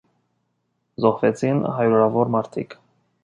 Զոհվեցին հարյուրավոր մարդիկ։